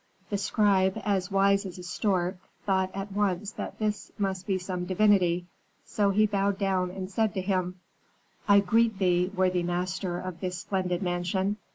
The scribe, as wise as a stork, thought at once that this must be some divinity; so he bowed down and said to him, "'I greet thee, worthy master of this splendid mansion.